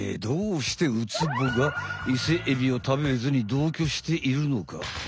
どうしてウツボがイセエビを食べずに同居しているのか？